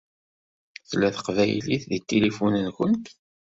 Tella teqbaylit deg tilifu-nkent?